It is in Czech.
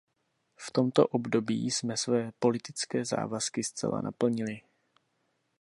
V tomto období jsme své politické závazky zcela naplnili.